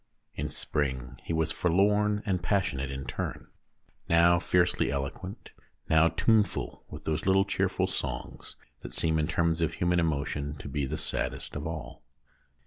In spring he was forlorn and passionate in turn ; now fiercely eloquent, now tuneful with those little cheerful songs that seem in terms of human emotion to be the saddest of all.